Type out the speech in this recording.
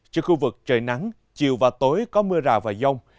trên khu vực trời nắng chiều và tối có mưa rào và dông